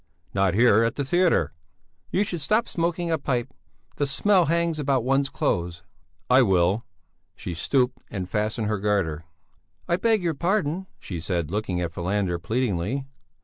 "Not here; at the theatre." "You should stop smoking a pipe; the smell hangs about one's clothes." "I will." She stooped and fastened her garter. "I beg your pardon," she said, looking at Falander, pleadingly.